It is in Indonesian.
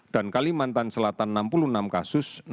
dan kalimantan selatan enam puluh enam kasus